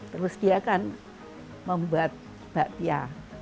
terus dia kan membuat bakpia